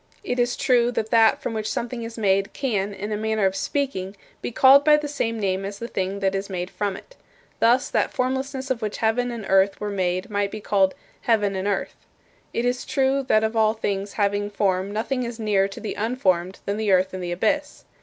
It is true that that from which something is made can, in a manner of speaking, be called by the same name as the thing that is made from it. Thus that formlessness of which heaven and earth were made might be called "heaven and earth." It is true that of all things having form nothing is nearer to the unformed than the earth and the abyss.